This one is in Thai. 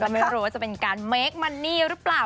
ไม่รู้ว่าจะเป็นการเมคมันนี่หรือเปล่า